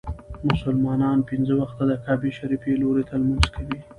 مسلمانان پنځه وخته د کعبې شريفي لوري ته لمونځ کوي.